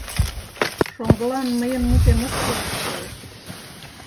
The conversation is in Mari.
Шоҥгылан мыйын мутем ыш келше, коеш.